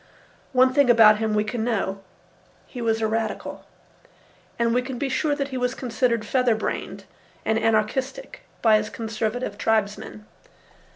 One thing about him we can know: he was a radical. And we can be sure that he was considered feather brained and anarchistic by his conservative tribesmen.